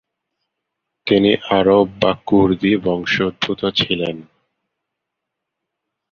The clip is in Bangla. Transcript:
তিনি আরব বা কুর্দি বংশোদ্ভূত ছিলেন।